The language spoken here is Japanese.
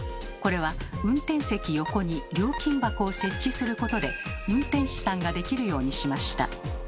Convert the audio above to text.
これは運転席横に料金箱を設置することで運転手さんができるようにしました。